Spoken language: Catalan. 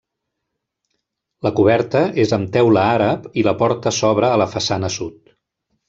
La coberta és amb teula àrab i la porta s'obre a la façana sud.